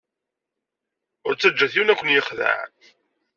Ur ttaǧǧat yiwen ad ken-yexdeɛ.